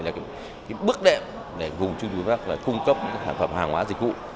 là một bước đẹp để vùng trung tù đông bắc cung cấp hàng hóa dịch vụ